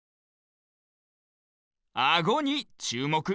アゴにちゅうもく！